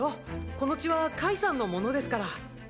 この血はカイさんのものですからっ！